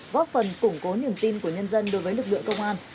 góp phần củng cố niềm tin của nhân dân đối với lực lượng công an